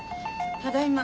ただいま。